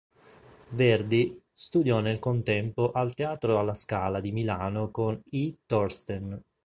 Verdi”, studiò nel contempo al Teatro alla Scala di Milano con E. Torsten.